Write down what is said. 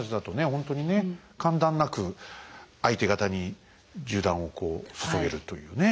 ほんとにね間断なく相手方に銃弾をこう注げるというねえ。